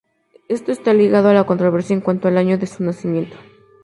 Esto está ligado a la controversia en cuanto al año de su nacimiento.